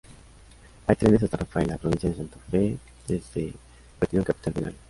Hay trenes hasta Rafaela, Provincia de Santa Fe, desde Retiro en Capital Federal.